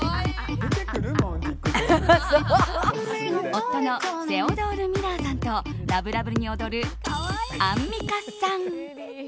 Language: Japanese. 夫のセオドール・ミラーさんとラブラブに踊るアンミカさん。